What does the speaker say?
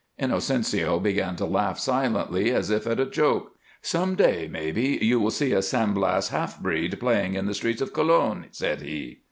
Inocencio began to laugh silently, as if at a joke. "Some day, maybe, you will see a San Blas half breed playing in the streets of Colon," said he.